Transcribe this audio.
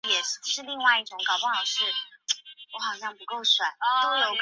罗格尼向雷达介绍在开放剧院发展的现代剧院风格和方法。